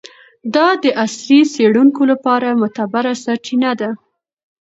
دا د عصري څیړونکو لپاره معتبره سرچینه ده.